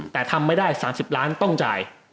แต่ทำไม่ได้๓๐ล้านต้องจ่าย